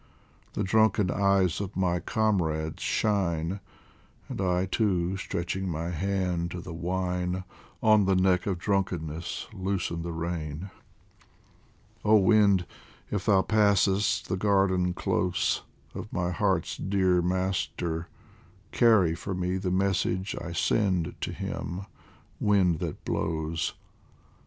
The drunken eyes of my comrades shine, And I too, stretching my hand to the wine, On the neck of drunkenness loosen the rein. Oh wind, if thou passest the garden close Of my heart's dear master, carry for me The message I send to him, wind that blows